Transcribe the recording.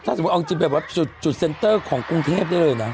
ถ้าสมมุติเอาเป็นจุดเซ็นเตอร์ของกรุงเทศได้เลยนะ